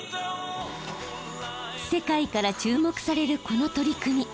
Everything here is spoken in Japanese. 世界から注目されるこの取り組み。